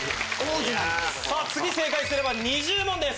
次正解すれば２０問です。